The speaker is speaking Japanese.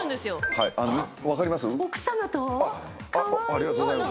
ありがとうございます。